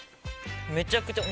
めちゃくちゃ。